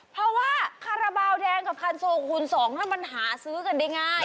เพราะว่าคาราบาลแดงกับคันโซคูณ๒มันหาซื้อกันได้ง่าย